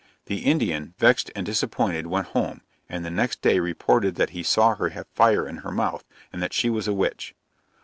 The Indian, vexed and disappointed, went home, and the next day reported that he saw her have fire in her mouth, and that she was a witch.